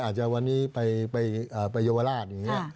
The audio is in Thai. จะวันนี้ไปเยาวราชอย่างนี้